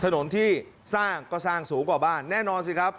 ถนนที่สร้างก็สร้างสูงกว่าบ้านแน่นอนสิครับ